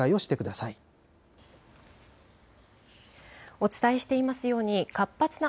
お伝えしていますように活発な。